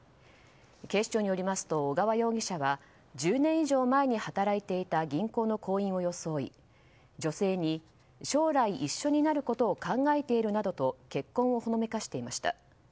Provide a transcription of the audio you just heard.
警視庁によりますと小川容疑者は１０年以上前に働いていた銀行の行員を装い女性に将来一緒になることを考えているなどと結婚をほのめかしていました。